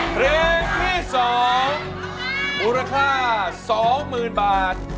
เพลงที่สองมูลค่าสองหมื่นบาท